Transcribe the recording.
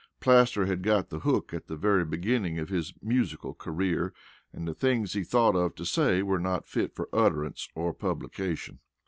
Plaster had got the hook at the very beginning of his musical career, and the things he thought of to say were not fit for utterance or publication.